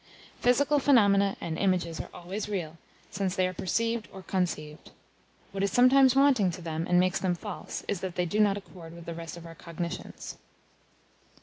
Physical phenomena and images are always real, since they are perceived or conceived; what is sometimes wanting to them, and makes them false, is that they do not accord with the rest of our cognitions.